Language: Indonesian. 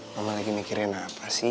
mama lagi mikirin apa sih